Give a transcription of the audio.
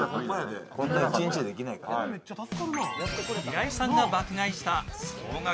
平井さんが爆買いした総額